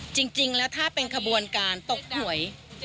จริงแล้วถ้าเป็นขบวนการตกหวย